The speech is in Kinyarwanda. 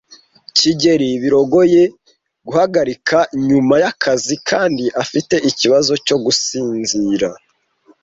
kigeli biragoye guhagarika nyuma yakazi kandi afite ikibazo cyo gusinzira.